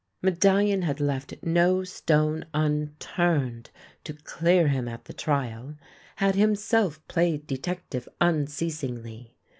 Medallion had left no stone unturned to clear him at the trial, had himself played detective unceasingly.